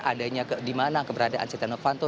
adanya dimana keberadaan siti novanto